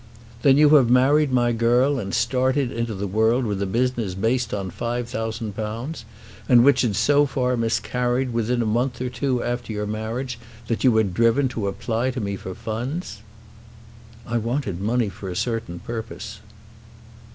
"Then you have married my girl and started into the world with a business based on £5000, and which had so far miscarried that within a month or two after your marriage you were driven to apply to me for funds!" "I wanted money for a certain purpose."